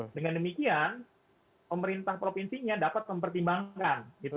dengan demikian pemerintah provinsinya dapat mempertimbangkan